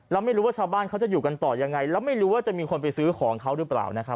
แล้วไม่รู้ว่าชาวบ้านเขาจะอยู่กันต่อยังไงแล้วไม่รู้ว่าจะมีคนไปซื้อของเขาหรือเปล่านะครับ